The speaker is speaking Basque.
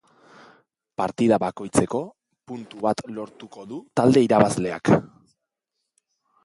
Partida bakoitzeko, puntu bat lortuko du talde irabazleak.